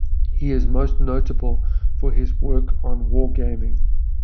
He is most notable for his work on wargaming.